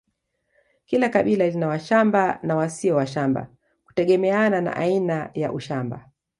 Kila kabila lina washamba na wasio washamba kutegemeana na aina ya ushamba